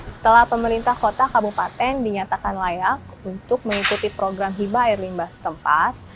setelah pemerintah kota kabupaten dinyatakan layak untuk mengikuti program hiba air limbah setempat